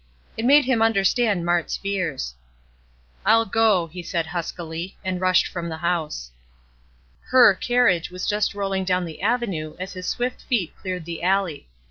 It made him understand Mart's fears. "I'll go," he said huskily, and rushed from the house. "Her" carriage was just rolling down the avenue as his swift feet cleared the alley.